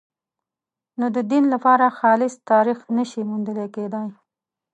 نو د دین لپاره خالص تاریخ نه شي موندل کېدای.